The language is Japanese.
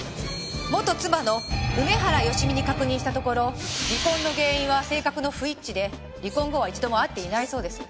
元妻の梅原芳美に確認したところ離婚の原因は性格の不一致で離婚後は一度も会っていないそうです。